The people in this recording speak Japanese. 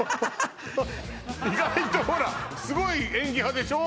意外とほらすごい演技派でしょ